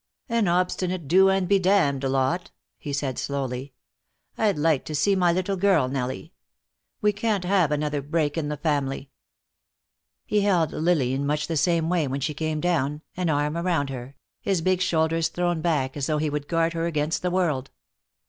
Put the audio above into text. "An obstinate, do and be damned lot," he said slowly. "I'd like to see my little girl, Nellie. We can't have another break in the family." He held Lily in much the same way when she came down, an arm around her, his big shoulders thrown back as though he would guard her against the world.